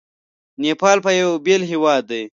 نیپال به یو بېل هیواد کړي.